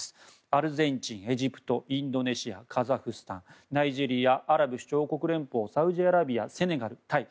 アルゼンチン、エジプトインドネシア、カザフスタンナイジェリア、アラブ首長国連邦サウジアラビア、セネガルタイ。